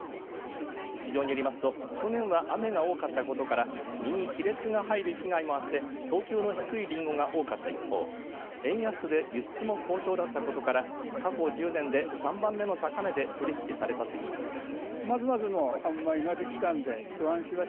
市場によりますと去年は雨が多かったことから実に亀裂が入る被害もあって等級の低いりんごが多かった一方円安で輸出も好調だったことから過去１０年で３番目の高値で取り引きされたということです。